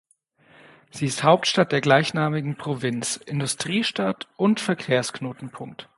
Sie ist Hauptstadt der gleichnamigen Provinz, Industriestadt und Verkehrsknotenpunkt.